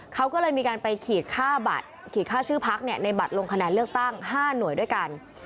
เขาก็เลยมีการไปขีดค่าบัตรขีดค่าชื่อพักในบัตรลงคะแนนเลือกตั้ง๕หน่วยด้วยกัน